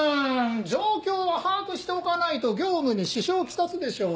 状況は把握しておかないと業務に支障を来すでしょう。